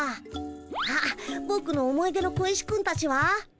あっぼくの思い出の小石君たちは？